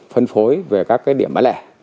phân phối về các cái điểm bán lẻ